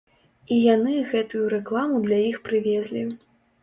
І яны гэтую рэкламу для іх прывезлі.